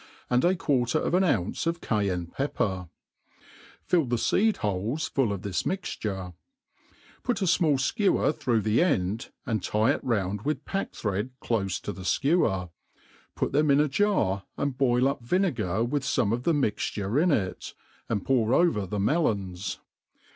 aod 4 g^uarter of an ounce of Cayenne pepper ; fill* the feed •holcs^ fuH of this mixture ; put a fmall fkewer through the end, and tie it round with pack thread clofe to the'/kewer; put thfoj "ill a j^arj and boil up vinegar with fome of the mixture in it, and pour over the me lons.